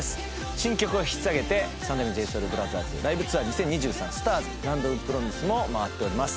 新曲を引っ提げて「三代目ＪＳＯＵＬＢＲＯＴＨＥＲＳＬＩＶＥＴＯＵＲ２０２３“ＳＴＡＲＳ”ＬａｎｄｏｆＰｒｏｍｉｓｅ」も回っております。